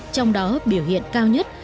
trong đó biểu hiện cao nhất